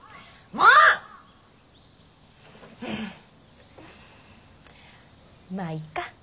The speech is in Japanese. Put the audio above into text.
まあいっか。